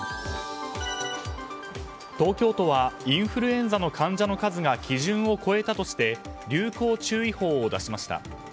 東京都はインフルエンザの患者の数が基準を超えたとして流行注意報を出しました。